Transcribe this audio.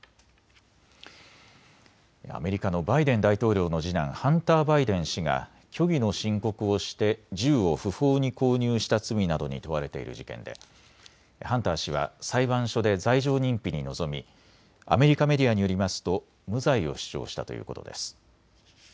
アメリカのバイデン大統領の次男、ハンター・バイデン氏が虚偽の申告をして銃を不法に購入した罪などに問われている事件でハンター氏は裁判所で罪状認否に臨みアメリカメディアによりますと無罪を主張したということです。